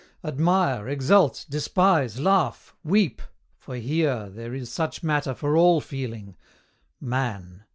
Admire, exult despise laugh, weep for here There is such matter for all feeling: Man!